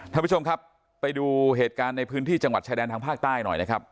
ท่านผู้ชมครับไปดูเหตุการณ์ในพื้นที่จังหวัดชายแดนทางภาคใต้หน่อยนะครับ